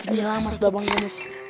dia lama ke babang jenis